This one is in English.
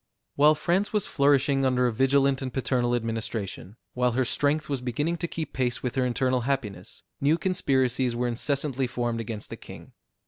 While France was flourishing under a vigilant and paternal administration, while her strength was beginning to keep pace with her internal happiness, new conspiracies were incessantly formed against the king.